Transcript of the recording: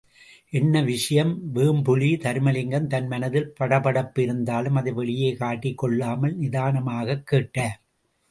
என்ன விஷயம் வேம்புலி? தருமலிங்கம் தன் மனதில் படபடப்பு இருந்தாலும், அதை வெளியே காட்டிக் கொள்ளாமல் நிதானமாகக் கேட்டார்.